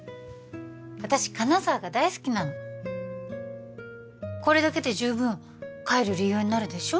私金沢が大好きなのこれだけで十分帰る理由になるでしょ？